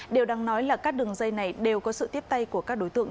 điều đáng nói là các đường dây này đều có sự tiếp tay của các đối tượng